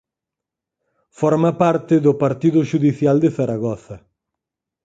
Forma parte do partido xudicial de Zaragoza.